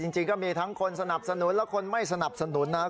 จริงก็มีทั้งคนสนับสนุนและคนไม่สนับสนุนนะครับ